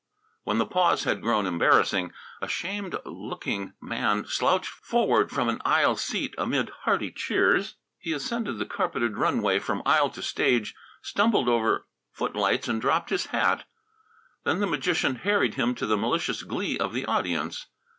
When the pause had grown embarrassing, a shamed looking man slouched forward from an aisle seat amid hearty cheers. He ascended the carpeted runway from aisle to stage, stumbled over footlights and dropped his hat. Then the magician harried him to the malicious glee of the audience.